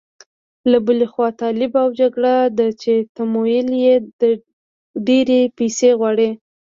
له بلې خوا طالب او جګړه ده چې تمویل یې ډېرې پيسې غواړي.